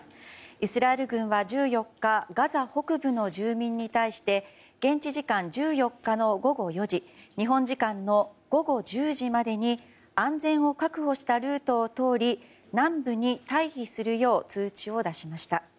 イスラエル軍は１４日ガザ北部の住民に対して現地時間１４日の午後４時日本時間の午後１０時までに安全を確保したルートを通り南部に退避するよう通知を出しました。